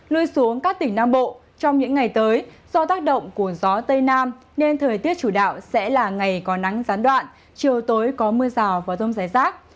lui xuống các tỉnh nam bộ trong những ngày tới do tác động của gió tây nam nên thời tiết chủ đạo sẽ là ngày có nắng gián đoạn chiều tối có mưa rào và rông rải rác